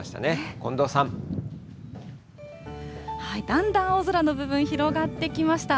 だんだん青空の部分、広がってきました。